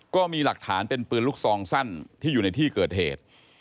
ก็มีหลักฐานเป็นปืนลูกซองสั้นที่อยู่ในที่เกิดเหตุ